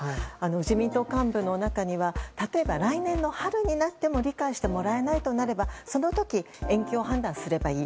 自民党幹部の中には例えば来年の春になっても理解してもらえないとなればその時、延期を判断すればいい。